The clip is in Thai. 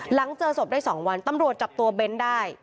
หลังเจอศพได้๒วันตำรวจจับตัวเบ้นได้